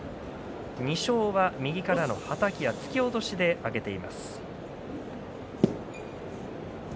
２勝は右からのはたきや突き落としで挙げています。